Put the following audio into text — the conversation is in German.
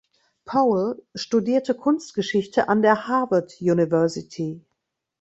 Powell studierte Kunstgeschichte an der Harvard University.